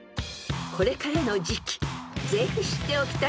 ［これからの時期ぜひ知っておきたい